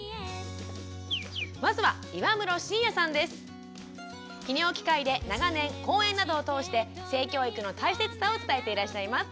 まずは泌尿器科医で長年講演などを通して性教育の大切さを伝えていらっしゃいます。